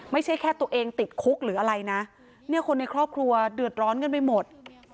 ไม่ใช่แค่ตัวเองติดคุกหรืออะไรนะเนี่ยคนในครอบครัวเดือดร้อนกันไปหมด